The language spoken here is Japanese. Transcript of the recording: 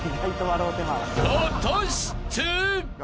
［果たして？］